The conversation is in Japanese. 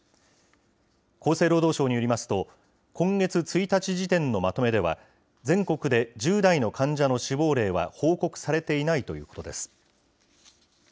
厚生労働省によりますと、今月１日時点のまとめでは、全国で１０代の患者の死亡例は報告されていないということです。